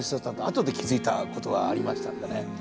後で気付いたことがありましたんでね。